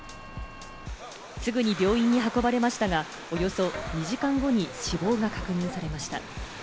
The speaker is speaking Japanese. すぐに病院に運ばれましたが、およそ２時間後に死亡が確認されました。